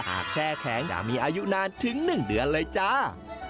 แช่แข็งแต่มีอายุนานถึง๑เดือนเลยจ้า